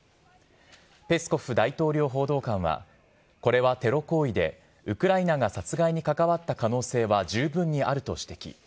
ペスコフ大統領府報道官はこれはテロ行為で、ウクライナが殺害に関わった可能性は十分にあると指摘。